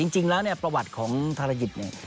จริงแล้วเนี่ยประวัติของธารยิตเนี่ย